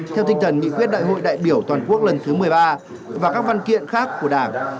theo tinh thần nghị quyết đại hội đại biểu toàn quốc lần thứ một mươi ba và các văn kiện khác của đảng